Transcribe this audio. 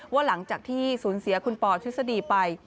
ว่าหลังจากที่สูญเสียคุณปอทฤษฎีไป